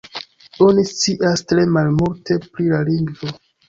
Oni scias tre malmulte pri la lingvo.